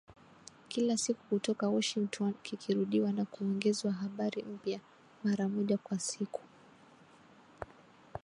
kila siku kutoka Washington, kikirudiwa na kuongezewa habari mpya, mara moja kwa siku